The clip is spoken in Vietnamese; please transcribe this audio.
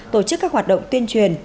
tổ chức các hoạt động tuyên truyền